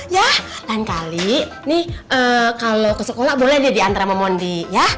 ya lain kali nih kalo ke sekolah boleh dia diantre sama mondi ya